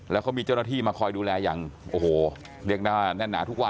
แล้วเขามีเจ้าหน้าที่มาคอยดูแลอย่างโอ้โหเรียกได้แน่นหนาทุกวัน